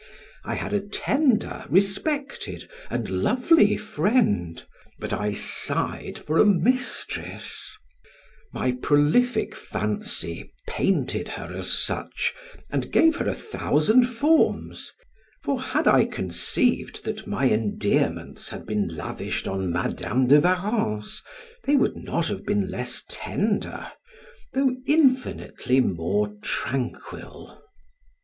I had a tender, respected and lovely friend, but I sighed for a mistress; my prolific fancy painted her as such, and gave her a thousand forms, for had I conceived that my endearments had been lavished on Madam de Warrens, they would not have been less tender, though infinitely more tranquil.